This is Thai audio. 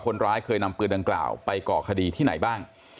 คนร้ายเคยนำปืนดังกล่าวไปก่อคดีที่ไหนบ้าง